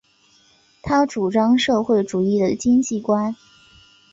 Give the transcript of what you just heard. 他主张社会主义的经济观。